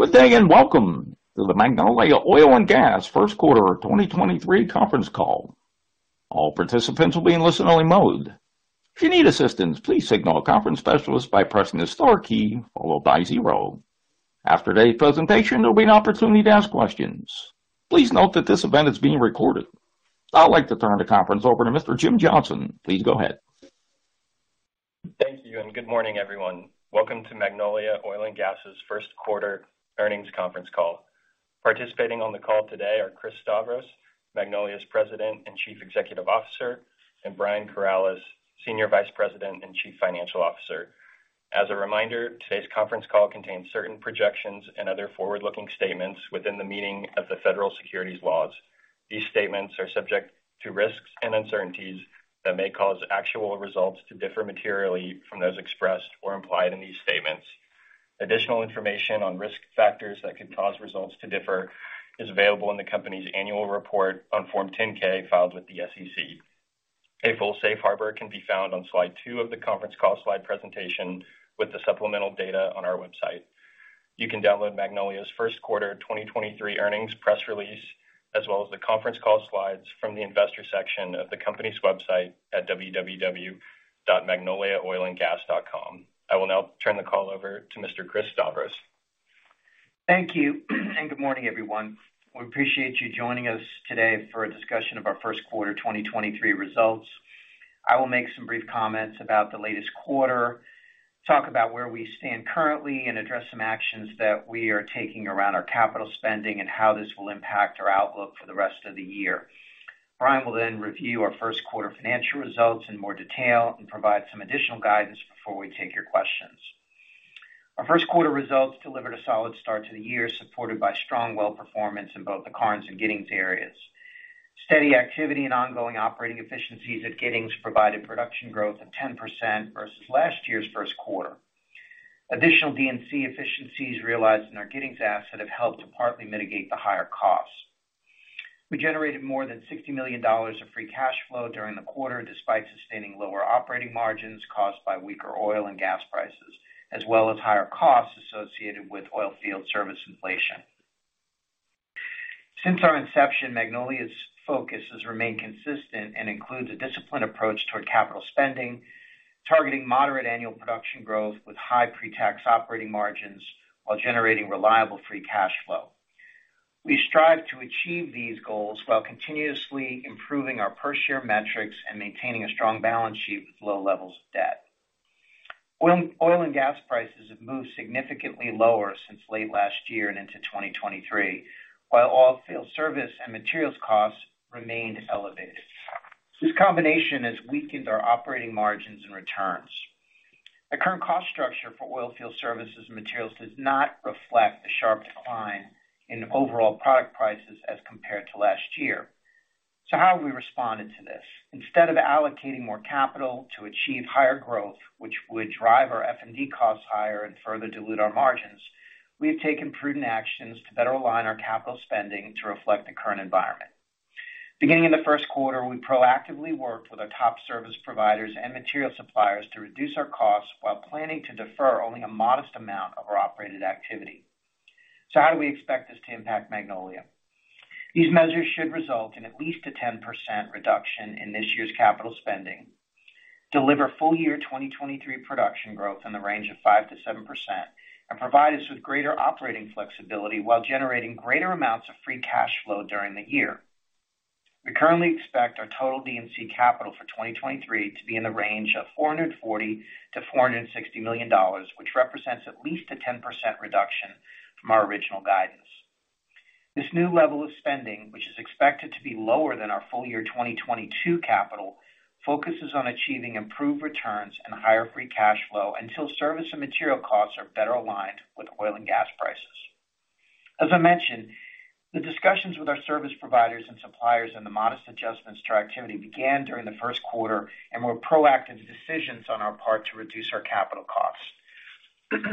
Good day and welcome to the Magnolia Oil & Gas first quarter 2023 conference call. All participants will be in listen-only mode. If you need assistance, please signal a conference specialist by pressing the star key followed by zero. After today's presentation, there'll be an opportunity to ask questions. Please note that this event is being recorded. I'd like to turn the conference over to Mr. Jim Johnson. Please go ahead. Thank you. Good morning, everyone. Welcome to Magnolia Oil & Gas' first quarter earnings conference call. Participating on the call today are Chris Stavros, Magnolia's President and Chief Executive Officer, and Brian Corrales, Senior Vice President and Chief Financial Officer. As a reminder, today's conference call contains certain projections and other forward-looking statements within the meaning of the federal securities laws. These statements are subject to risks and uncertainties that may cause actual results to differ materially from those expressed or implied in these statements. Additional information on risk factors that could cause results to differ is available in the company's annual report on Form 10-K filed with the SEC. A full safe harbor can be found on slide two of the conference call slide presentation with the supplemental data on our website. You can download Magnolia's first quarter 2023 earnings press release, as well as the conference call slides from the investor section of the company's website at www.magnoliaoilandgas.com. I will now turn the call over to Mr. Chris Stavros. Thank you. Good morning, everyone. We appreciate you joining us today for a discussion of our first quarter 2023 results. I will make some brief comments about the latest quarter, talk about where we stand currently, and address some actions that we are taking around our capital spending and how this will impact our outlook for the rest of the year. Brian will then review our first quarter financial results in more detail and provide some additional guidance before we take your questions. Our first quarter results delivered a solid start to the year, supported by strong well performance in both the Karnes and Giddings areas. Steady activity and ongoing operating efficiencies at Giddings provided production growth of 10% versus last year's first quarter. Additional D&C efficiencies realized in our Giddings asset have helped to partly mitigate the higher costs. We generated more than $60 million of free cash flow during the quarter, despite sustaining lower operating margins caused by weaker oil and gas prices, as well as higher costs associated with oil field service inflation. Since our inception, Magnolia's focus has remained consistent and includes a disciplined approach toward capital spending, targeting moderate annual production growth with high pre-tax operating margins while generating reliable free cash flow. We strive to achieve these goals while continuously improving our per share metrics and maintaining a strong balance sheet with low levels of debt. Oil and gas prices have moved significantly lower since late last year and into 2023, while oil field service and materials costs remained elevated. This combination has weakened our operating margins and returns. The current cost structure for oil field services and materials does not reflect the sharp decline in overall product prices as compared to last year. How have we responded to this? Instead of allocating more capital to achieve higher growth, which would drive our F&D costs higher and further dilute our margins, we have taken prudent actions to better align our capital spending to reflect the current environment. Beginning in the first quarter, we proactively worked with our top service providers and material suppliers to reduce our costs while planning to defer only a modest amount of our operated activity. How do we expect this to impact Magnolia? These measures should result in at least a 10% reduction in this year's capital spending, deliver full year 2023 production growth in the range of 5%-7%, and provide us with greater operating flexibility while generating greater amounts of free cash flow during the year. We currently expect our total D&C capital for 2023 to be in the range of $440 million-$460 million, which represents at least a 10% reduction from our original guidance. This new level of spending, which is expected to be lower than our full year 2022 capital, focuses on achieving improved returns and higher free cash flow until service and material costs are better aligned with oil and gas prices. As I mentioned, the discussions with our service providers and suppliers and the modest adjustments to our activity began during the first quarter and were proactive decisions on our part to reduce our capital costs.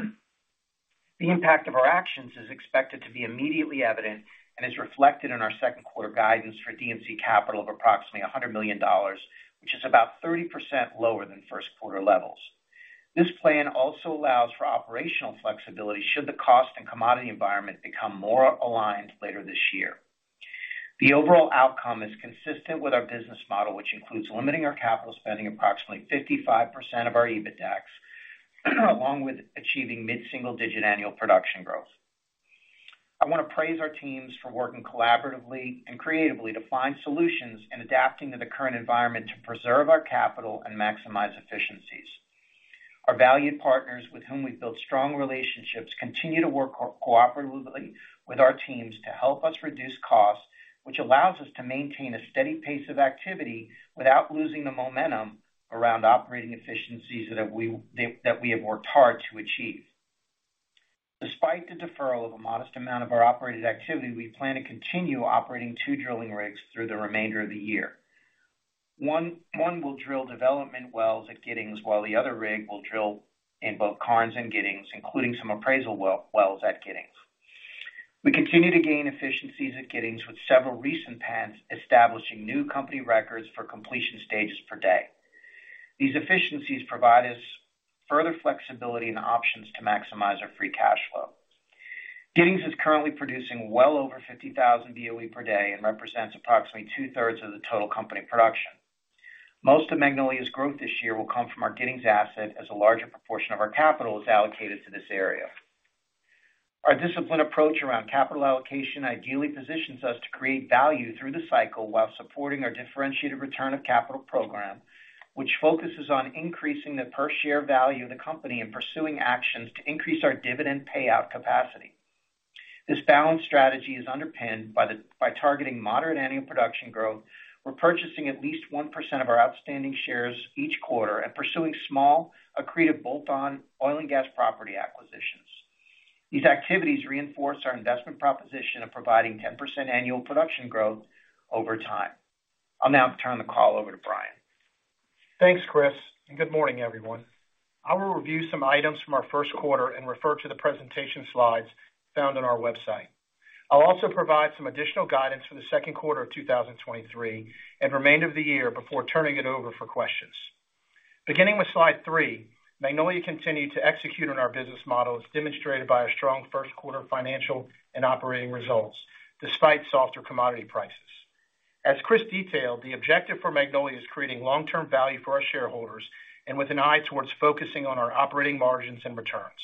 The impact of our actions is expected to be immediately evident and is reflected in our second quarter guidance for D&C capital of approximately $100 million, which is about 30% lower than first quarter levels. This plan also allows for operational flexibility should the cost and commodity environment become more aligned later this year. The overall outcome is consistent with our business model, which includes limiting our capital spending approximately 55% of our EBITDAX, along with achieving mid-single-digit annual production growth. I want to praise our teams for working collaboratively and creatively to find solutions and adapting to the current environment to preserve our capital and maximize efficiencies. Our valued partners with whom we've built strong relationships continue to work cooperatively with our teams to help us reduce costs, which allows us to maintain a steady pace of activity without losing the momentum around operating efficiencies that we have worked hard to achieve. Despite the deferral of a modest amount of our operated activity, we plan to continue operating two drilling rigs through the remainder of the year. One will drill development wells at Giddings, while the other rig will drill in both Karnes and Giddings, including some appraisal wells at Giddings. We continue to gain efficiencies at Giddings with several recent pads establishing new company records for completion stages per day. These efficiencies provide us further flexibility and options to maximize our free cash flow. Giddings is currently producing well over 50,000 Boe per day and represents approximately two-thirds of the total company production. Most of Magnolia's growth this year will come from our Giddings asset as a larger proportion of our capital is allocated to this area. Our disciplined approach around capital allocation ideally positions us to create value through the cycle while supporting our differentiated return of capital program, which focuses on increasing the per-share value of the company and pursuing actions to increase our dividend payout capacity. This balanced strategy is underpinned by targeting moderate annual production growth. We're purchasing at least 1% of our outstanding shares each quarter and pursuing small, accretive bolt-on oil and gas property acquisitions. These activities reinforce our investment proposition of providing 10% annual production growth over time. I'll now turn the call over to Brian. Thanks, Chris. Good morning, everyone. I will review some items from our first quarter and refer to the presentation slides found on our website. I'll also provide some additional guidance for the second quarter of 2023 and remainder of the year before turning it over for questions. Beginning with slide three, Magnolia continued to execute on our business models demonstrated by a strong first quarter financial and operating results despite softer commodity prices. As Chris detailed, the objective for Magnolia is creating long-term value for our shareholders and with an eye towards focusing on our operating margins and returns.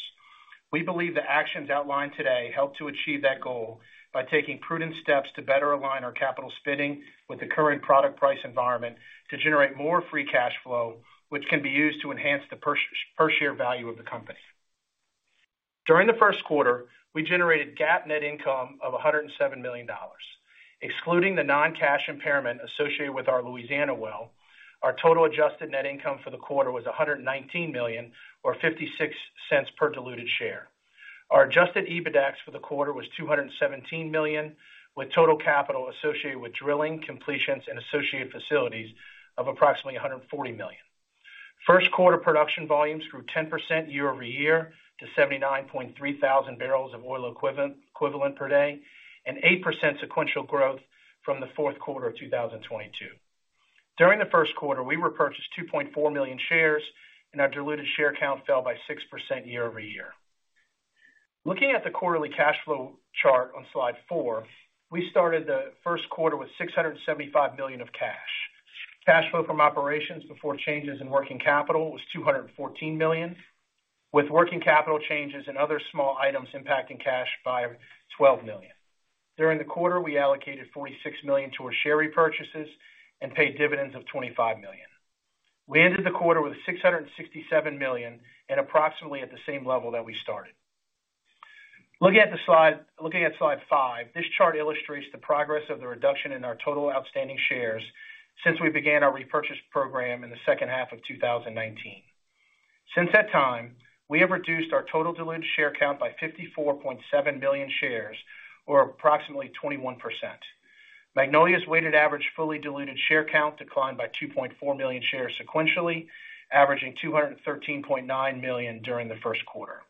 We believe the actions outlined today help to achieve that goal by taking prudent steps to better align our capital spending with the current product price environment to generate more free cash flow, which can be used to enhance the per share value of the company. During the first quarter, we generated GAAP net income of $107 million. Excluding the non-cash impairment associated with our Louisiana well, our total adjusted net income for the quarter was $119 million or $0.56 per diluted share. Our adjusted EBITDAX for the quarter was $217 million, with total capital associated with drilling, completions, and associated facilities of approximately $140 million. First quarter production volumes grew 10% year-over-year to 79.3 thousand barrels of oil equivalent per day, and 8% sequential growth from the fourth quarter of 2022. During the first quarter, we repurchased 2.4 million shares, and our diluted share count fell by 6% year-over-year. Looking at the quarterly cash flow chart on slide four, we started the first quarter with $675 million of cash. Cash flow from operations before changes in working capital was $214 million, with working capital changes and other small items impacting cash by $12 million. During the quarter, we allocated $46 million towards share repurchases and paid dividends of $25 million. We ended the quarter with $667 million and approximately at the same level that we started. Looking at slide five, this chart illustrates the progress of the reduction in our total outstanding shares since we began our repurchase program in the second half of 2019. Since that time, we have reduced our total diluted share count by 54.7 million shares or approximately 21%. Magnolia's weighted average fully diluted share count declined by 2.4 million shares sequentially, averaging 213.9 million during the first quarter.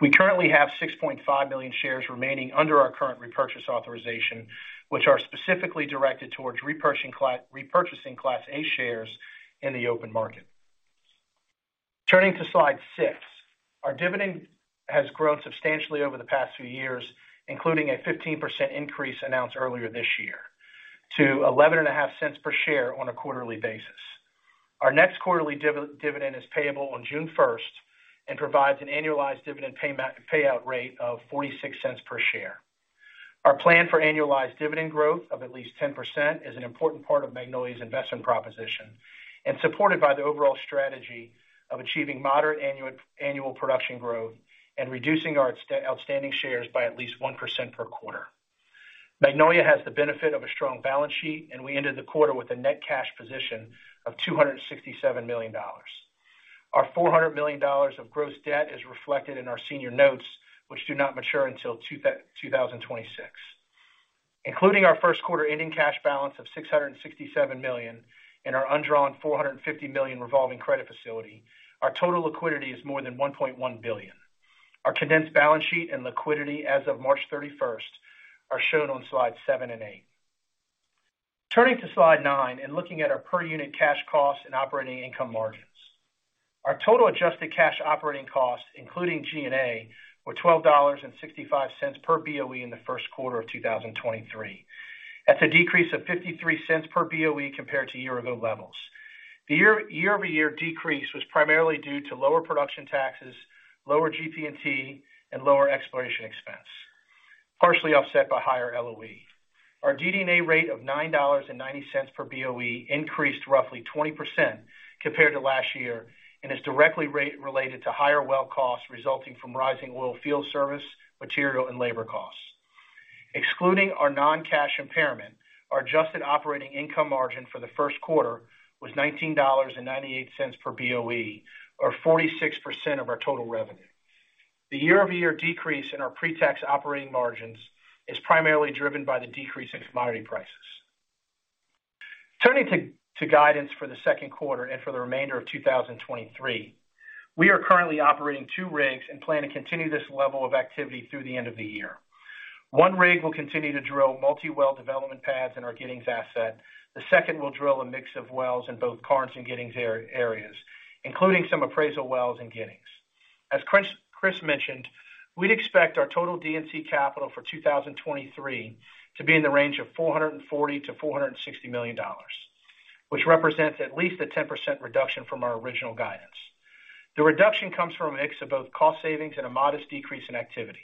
We currently have 6.5 million shares remaining under our current repurchase authorization, which are specifically directed towards repurchasing Class A shares in the open market. Turning to slide six. Our dividend has grown substantially over the past few years, including a 15% increase announced earlier this year to eleven and a half cents per share on a quarterly basis. Our next quarterly dividend is payable on June first and provides an annualized dividend payout rate of $0.46 per share. Our plan for annualized dividend growth of at least 10% is an important part of Magnolia's investment proposition and supported by the overall strategy of achieving moderate annual production growth and reducing our outstanding shares by at least 1% per quarter. Magnolia has the benefit of a strong balance sheet, and we ended the quarter with a net cash position of $267 million. Our $400 million of gross debt is reflected in our senior notes, which do not mature until 2026. Including our first quarter ending cash balance of $667 million and our undrawn $450 million revolving credit facility, our total liquidity is more than $1.1 billion. Our condensed balance sheet and liquidity as of March 31st are shown on slides seven and eight. Turning to slide nine and looking at our per unit cash costs and operating income margins. Our total adjusted cash operating costs, including G&A, were $12.65 per Boe in the first quarter of 2023. That's a decrease of $0.53 per Boe compared to year-ago levels. The year year-over-year decrease was primarily due to lower production taxes, lower GP&T, and lower exploration expense, partially offset by higher LOE. Our DD&A rate of $9.90 per Boe increased roughly 20% compared to last year and is directly rate related to higher well costs resulting from rising oil field service, material, and labor costs. Excluding our non-cash impairment, our adjusted operating income margin for the first quarter was $19.98 per Boe, or 46% of our total revenue. The year-over-year decrease in our pre-tax operating margins is primarily driven by the decrease in commodity prices. Turning to guidance for the second quarter and for the remainder of 2023. We are currently operating two rigs and plan to continue this level of activity through the end of the year. One rig will continue to drill multi-well development pads in our Giddings asset. The second will drill a mix of wells in both Karnes and Giddings areas, including some appraisal wells in Giddings. As Chris mentioned, we'd expect our total D&C capital for 2023 to be in the range of $440 million-$460 million, which represents at least a 10% reduction from our original guidance. The reduction comes from a mix of both cost savings and a modest decrease in activity.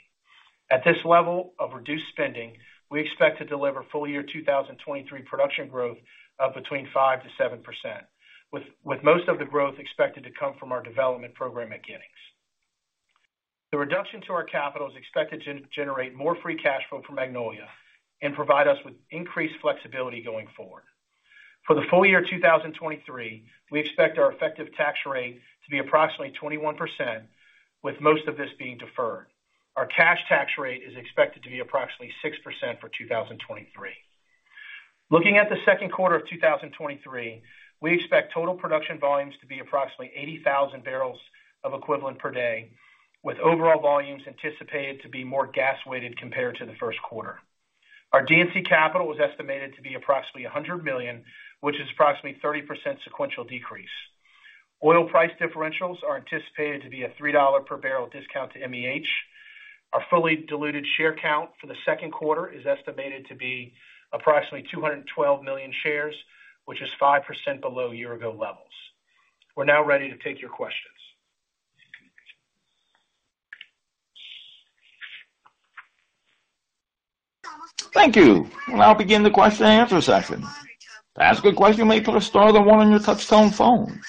At this level of reduced spending, we expect to deliver full year 2023 production growth of between 5%-7%, with most of the growth expected to come from our development program at Giddings. The reduction to our capital is expected to generate more free cash flow for Magnolia and provide us with increased flexibility going forward. For the full year 2023, we expect our effective tax rate to be approximately 21%, with most of this being deferred. Our cash tax rate is expected to be approximately 6% for 2023. Looking at the second quarter of 2023, we expect total production volumes to be approximately 80,000 barrels of equivalent per day, with overall volumes anticipated to be more gas weighted compared to the first quarter. Our D&C capital was estimated to be approximately $100 million, which is approximately 30% sequential decrease. Oil price differentials are anticipated to be a $3 per barrel discount to MEH. Our fully diluted share count for the second quarter is estimated to be approximately 212 million shares, which is 5% below year ago levels. We're now ready to take your questions. Thank you. We'll now begin the question and answer session. To ask a question, you may press star then one on your touch-tone phone.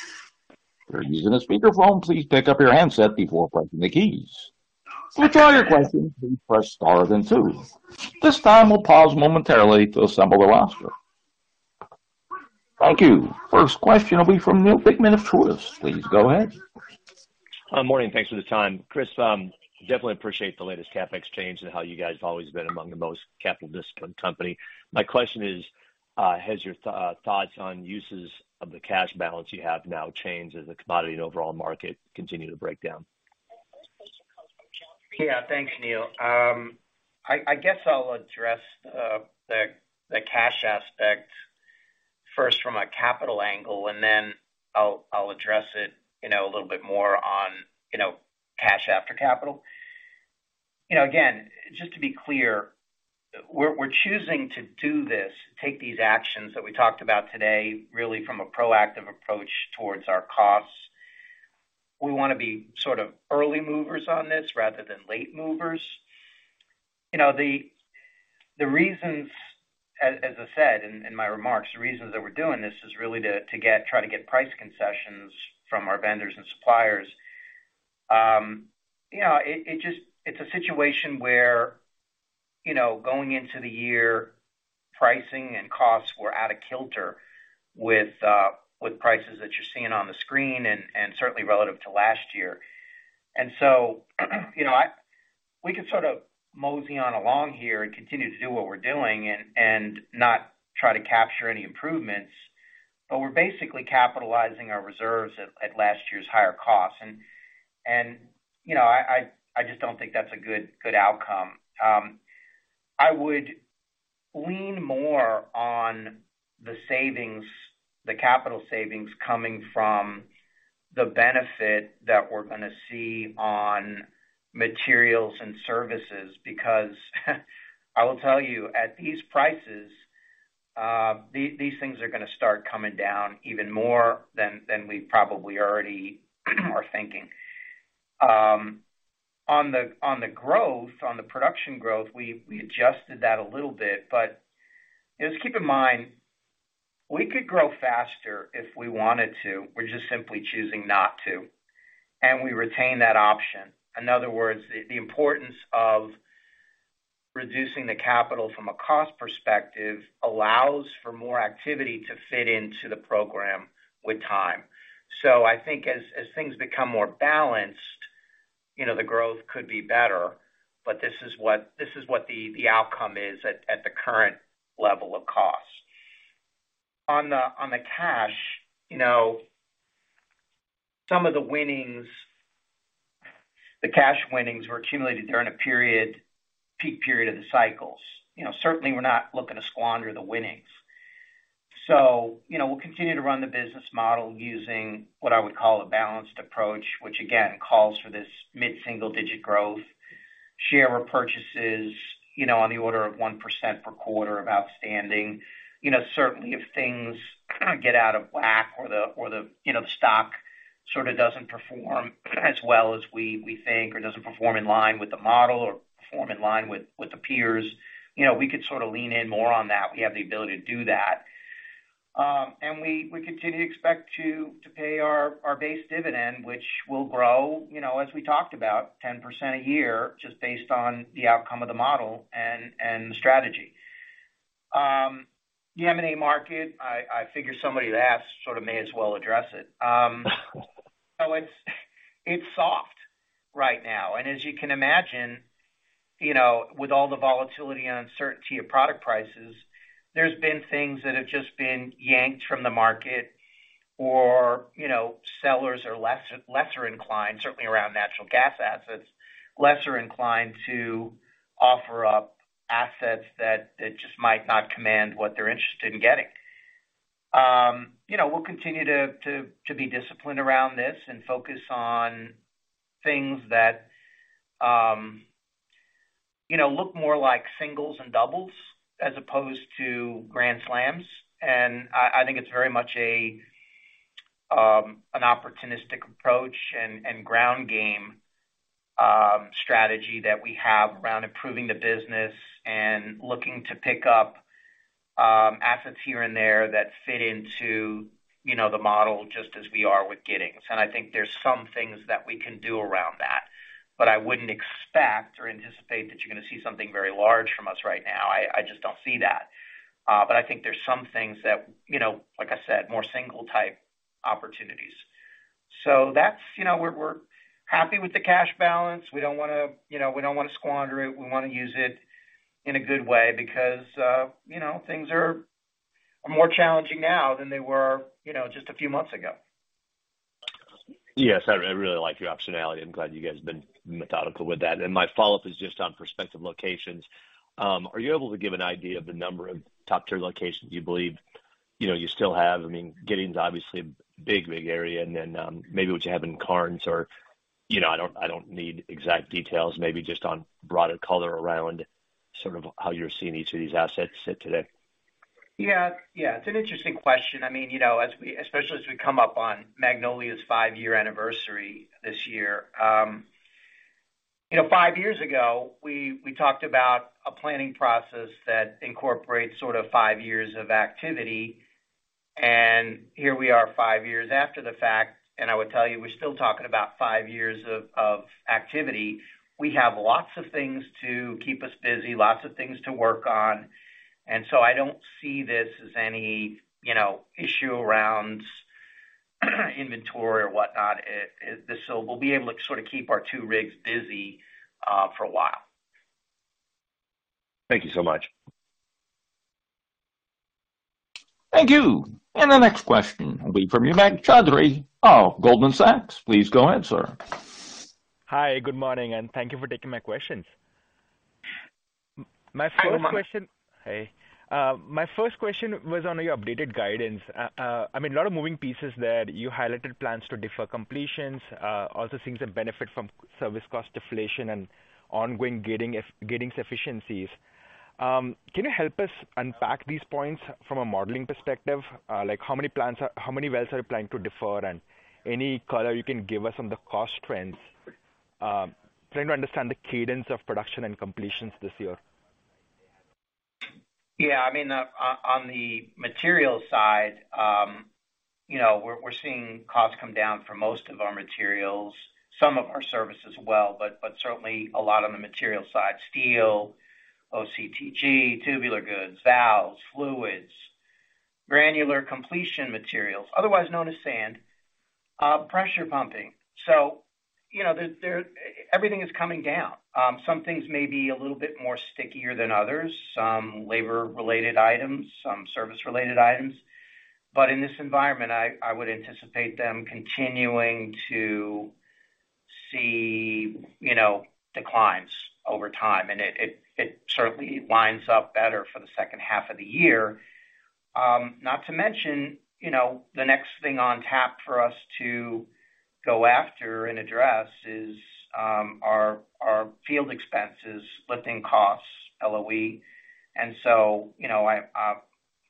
If you're using a speakerphone, please pick up your handset before pressing the keys. To withdraw your question, please press star then two. This time we'll pause momentarily to assemble the roster. Thank you. First question will be from Neal Dingmann of Truist. Please go ahead. Morning. Thanks for the time. Chris, definitely appreciate the latest CapEx change and how you guys have always been among the most capital disciplined company. My question is, has your thoughts on uses of the cash balance you have now changed as the commodity and overall market continue to break down? Thanks, Neal. I guess I'll address the cash aspect first from a capital angle, and then I'll address it, you know, a little bit more on, you know, cash after capital. You know, again, just to be clear, we're choosing to do this, take these actions that we talked about today, really from a proactive approach towards our costs. We wanna be sort of early movers on this rather than late movers. You know, the reasons as I said in my remarks, the reasons that we're doing this is really to try to get price concessions from our vendors and suppliers. you know, it's a situation where, you know, going into the year, pricing and costs were out of kilter with prices that you're seeing on the screen and certainly relative to last year. you know, we could sort of mosey on along here and continue to do what we're doing and not try to capture any improvements, but we're basically capitalizing our reserves at last year's higher costs. you know, I just don't think that's a good outcome. I would lean more on the savings, the capital savings coming from the benefit that we're gonna see on materials and services, because I will tell you, at these prices, these things are gonna start coming down even more than we probably already are thinking. On the production growth, we adjusted that a little bit. Just keep in mind, we could grow faster if we wanted to. We're just simply choosing not to. We retain that option. In other words, the importance of reducing the capital from a cost perspective allows for more activity to fit into the program with time. I think as things become more balanced, you know, the growth could be better. This is what the outcome is at the current level of cost. On the cash, you know, some of the winnings, the cash winnings were accumulated during a period, peak period of the cycles. You know, certainly we're not looking to squander the winnings. You know, we'll continue to run the business model using what I would call a balanced approach, which again calls for this mid-single digit growth, share repurchases, you know, on the order of 1% per quarter of outstanding. You know, certainly if things get out of whack or the, you know, the stock sort of doesn't perform as well as we think or doesn't perform in line with the model or perform in line with the peers, you know, we could sort of lean in more on that. We have the ability to do that. And we continue to expect to pay our base dividend, which will grow, you know, as we talked about, 10% a year just based on the outcome of the model and the strategy. The M&A market, I figure somebody would ask, sort of may as well address it. It's soft right now. As you can imagine, you know, with all the volatility and uncertainty of product prices, there's been things that have just been yanked from the market. You know, sellers are less inclined, certainly around natural gas assets, less inclined to offer up assets that just might not command what they're interested in getting. You know, we'll continue to be disciplined around this and focus on things that, you know, look more like singles and doubles as opposed to grand slams. I think it's very much a an opportunistic approach and ground game strategy that we have around improving the business and looking to pick up assets here and there that fit into, you know, the model just as we are with Giddings. I think there's some things that we can do around that. I wouldn't expect or anticipate that you're gonna see something very large from us right now. I just don't see that. I think there's some things that, you know, like I said, more single type opportunities. That's, you know, we're happy with the cash balance. We don't wanna, you know, we don't wanna squander it. We wanna use it in a good way because, you know, things are more challenging now than they were, you know, just a few months ago. Yes. I really like your optionality. I'm glad you guys have been methodical with that. My follow-up is just on prospective locations. Are you able to give an idea of the number of top-tier locations you believe, you know, you still have? I mean, Giddings obviously a big area, and then, maybe what you have in Karnes or, you know, I don't, I don't need exact details, maybe just on broader color around sort of how you're seeing each of these assets sit today. Yeah. Yeah. It's an interesting question. I mean, you know, as we especially as we come up on Magnolia's five-year anniversary this year. You know, five years ago, we talked about a planning process that incorporates sort of five years of activity, and here we are five years after the fact, and I would tell you, we're still talking about five years of activity. We have lots of things to keep us busy, lots of things to work on. I don't see this as any, you know, issue around inventory or whatnot. This so we'll be able to sort of keep our two rigs busy for a while. Thank you so much. Thank you. The next question will be from Neil Mehta of Goldman Sachs. Please go ahead, sir. Hi. Good morning, and thank you for taking my questions. Hi, good morning. My first question was on your updated guidance. I mean, a lot of moving pieces there. You highlighted plans to defer completions, also things that benefit from service cost deflation and ongoing Giddings efficiencies. Can you help us unpack these points from a modeling perspective? Like how many wells are you planning to defer? Any color you can give us on the cost trends? Trying to understand the cadence of production and completions this year. Yeah. I mean, on the materials side, you know, we're seeing costs come down for most of our materials, some of our service as well, but certainly a lot on the material side. Steel, OCTG, tubular goods, valves, fluids, granular completion materials, otherwise known as sand, pressure pumping. You know, there. Everything is coming down. Some things may be a little bit more stickier than others, some labor-related items, some service-related items. In this environment, I would anticipate them continuing to see, you know, declines over time. It certainly lines up better for the second half of the year. Not to mention, you know, the next thing on tap for us to go after and address is our field expenses, lifting costs, LOE. You know, I,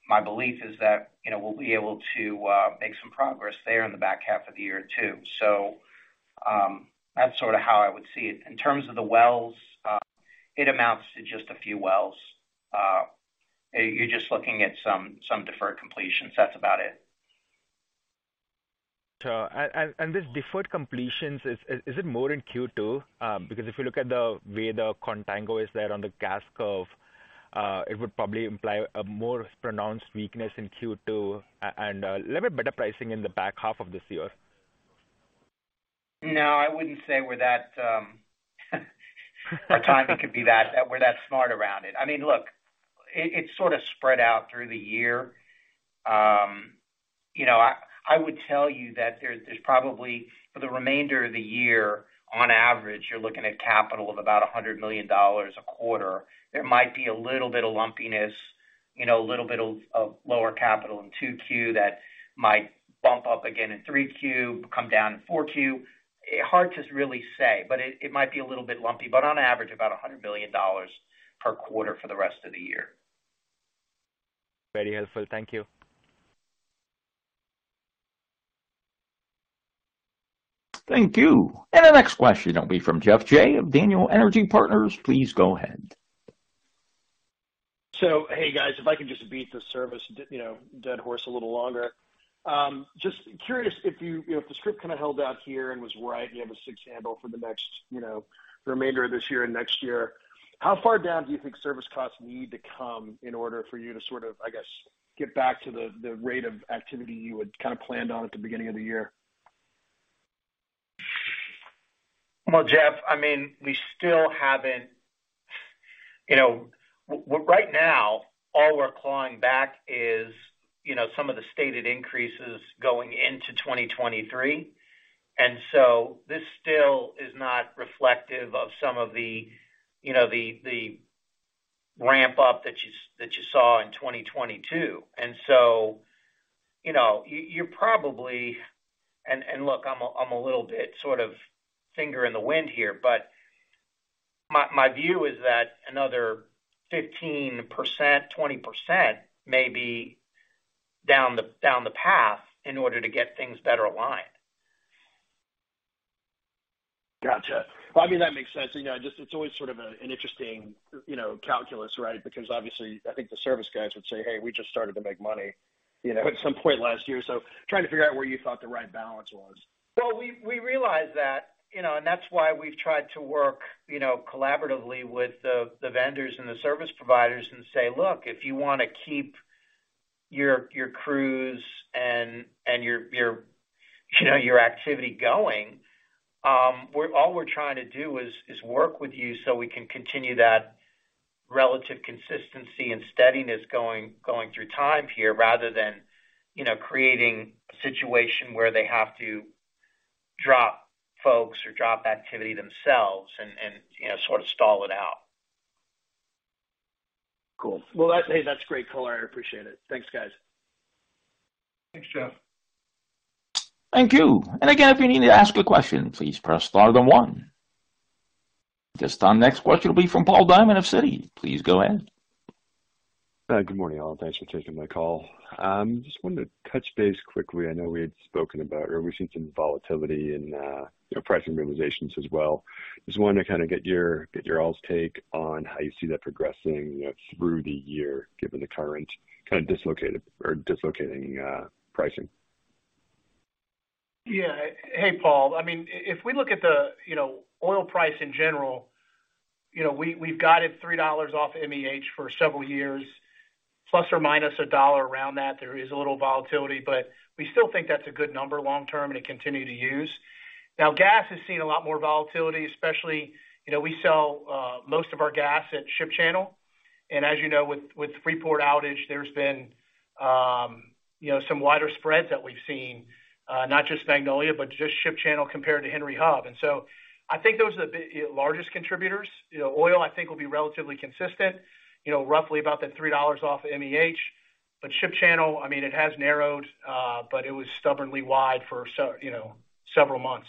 my belief is that, you know, we'll be able to make some progress there in the back half of the year, too. That's sort of how I would see it. In terms of the wells, it amounts to just a few wells. You're just looking at some deferred completions. That's about it. These deferred completions, is it more in Q2? Because if you look at the way the contango is there on the gas curve, it would probably imply a more pronounced weakness in Q2 and a little bit better pricing in the back half of this year. No, I wouldn't say we're that, our timing could be that, we're that smart around it. I mean, look, it's sort of spread out through the year. You know, I would tell you that there's probably for the remainder of the year, on average, you're looking at capital of about $100 million a quarter. There might be a little bit of lumpiness, you know, a little bit of lower capital in 2Q that might bump up again in 3Q, come down in 4Q. Hard to really say, but it might be a little bit lumpy. On average, about $100 million per quarter for the rest of the year. Very helpful. Thank you. Thank you. The next question will be from Geoff Jay of Daniel Energy Partners. Please go ahead. Hey, guys, if I could just beat the service, you know, dead horse a little longer. Just curious if you know, if the script kinda held out here and was right, you have a six handle for the next, you know, remainder of this year and next year, how far down do you think service costs need to come in order for you to sort of, I guess, get back to the rate of activity you had kinda planned on at the beginning of the year? Well, Geoff, I mean, You know, right now, all we're clawing back is, you know, some of the stated increases going into 2023. This still is not reflective of some of the, you know, the ramp up that you saw in 2022. You know, you probably, and look, I'm a, I'm a little bit sort of finger in the wind here, but my view is that another 15%, 20% may be down the path in order to get things better aligned. Gotcha. Well, I mean, that makes sense. You know, just it's always sort of an interesting, you know, calculus, right? Because obviously I think the service guys would say, "Hey, we just started to make money," you know, at some point last year. Trying to figure out where you thought the right balance was. Well, we realized that, you know, and that's why we've tried to work, you know, collaboratively with the vendors and the service providers and say, "Look, if you wanna keep your crews and your, you know, your activity going, all we're trying to do is work with you so we can continue that relative consistency and steadiness going through time here rather than, you know, creating a situation where they have to drop folks or drop activity themselves and, you know, sort of stall it out. Cool. Well, hey, that's great clarity. I appreciate it. Thanks, guys. Thanks, Geoff. Thank you. Again, if you need to ask a question, please press star then one. This time next question will be from Paul Diamond of Citi. Please go ahead. Good morning, all. Thanks for taking my call. Just wanted to touch base quickly. I know we had spoken about we've seen some volatility in, you know, pricing realizations as well. Just wanted to kinda get your all's take on how you see that progressing, you know, through the year, given the current kind of dislocated or dislocating pricing. Hey, Paul. I mean, if we look at the, you know, oil price in general, you know, we've got it $3 off MEH for several years, plus or minus $1 around that. There is a little volatility, but we still think that's a good number long term, and it continue to use. Gas has seen a lot more volatility, especially, you know, we sell most of our gas at Ship Channel. As you know, with Freeport outage, there's been, you know, some wider spreads that we've seen, not just Magnolia, but just Ship Channel compared to Henry Hub. I think those are the largest contributors. You know, oil, I think, will be relatively consistent, you know, roughly about that $3 off of MEH. Ship Channel, I mean, it has narrowed, but it was stubbornly wide for you know, several months.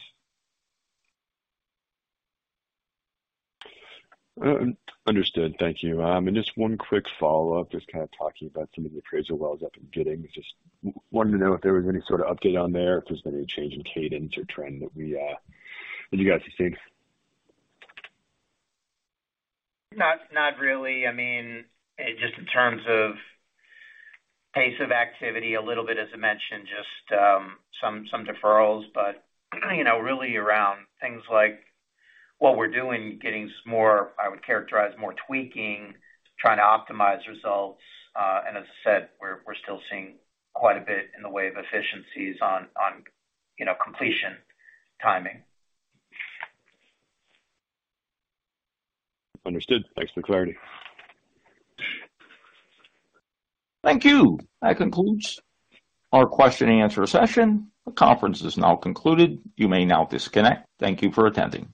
Understood. Thank you. Just one quick follow-up, just kind of talking about some of the appraisal wells that we're getting. Just wanted to know if there was any sort of update on there, if there's been any change in cadence or trend that we, that you guys have seen? Not really. I mean, just some deferrals. You know, really around things like what we're doing, getting more, I would characterize more tweaking, trying to optimize results. As I said, we're still seeing quite a bit in the way of efficiencies on, you know, completion timing. Understood. Thanks for the clarity. Thank you. That concludes our question and answer session. The conference is now concluded. You may now disconnect. Thank you for attending.